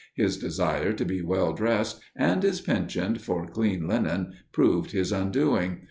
His desire to be well dressed and his penchant for clean linen proved his undoing.